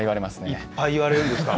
いっぱい言われるんですか？